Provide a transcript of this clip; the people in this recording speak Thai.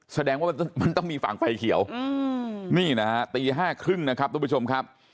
แสดงว่ามันต้องมีฝั่งไฟเขียวนี่นะฮะตี๕๓๐นะครับทุกผู้ชมครับ